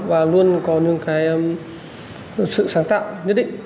và luôn có những cái sự sáng tạo nhất định